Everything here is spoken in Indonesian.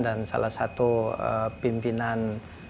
dan salah satu pimpinan